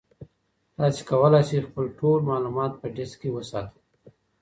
تاسي کولای شئ خپل ټول معلومات په ډیسک کې وساتئ.